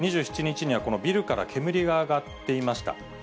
２７日にはこのビルから煙が上がっていました。